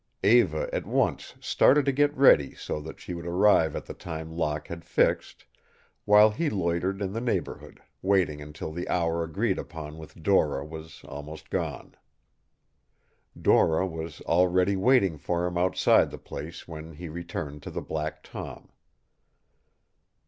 Eva at once started to get ready so that she would arrive at the time Locke had fixed, while he loitered in the neighborhood, waiting until the hour agreed upon with Dora was almost gone. Dora was already waiting for him outside the place when he returned to the Black Tom.